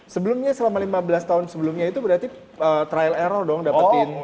sebelumnya selama lima belas tahun sebelumnya itu berarti trial error dong dapetin